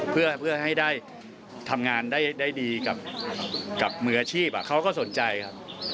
เพื่อให้ได้ทำงานได้ดีกับมืออาชีพเขาก็สนใจครับ